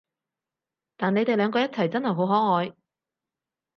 但你哋兩個一齊真係好可愛